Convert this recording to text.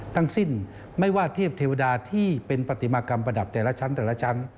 ทั้งสิ้นไม่ว่าเทพเทวดาที่เป็นปฏิมากรรมประดับแต่ละชั้นแต่ละชั้น